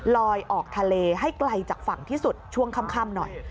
ลอยออกทะเลให้ไกลจากฝั่งที่สุดช่วงค่ำหน่อย